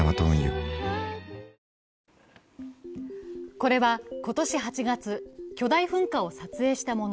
これは今年８月、巨大噴火を撮影したもの。